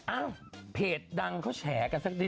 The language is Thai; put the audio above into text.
อ้าวเพจดังเขาแชร่กันสักสิ้น